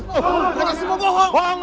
kita semua bohong